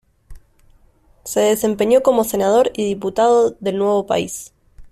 Se desempeñó como senador y diputado del nuevo país.